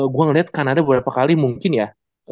gue ngeliat kanada beberapa kali mungkin ya